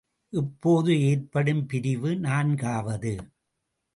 இப்போது ஏற்படும் பிரிவு நான்காவது.